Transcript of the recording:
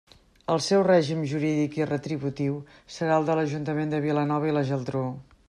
El seu règim jurídic i retributiu serà el de l'Ajuntament de Vilanova i la Geltrú.